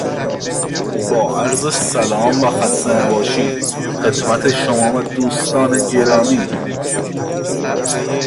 پنجرهای به عرض معمولی